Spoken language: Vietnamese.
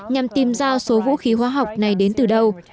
nhằm tìm ra số vũ khí hóa học này đến từ đâu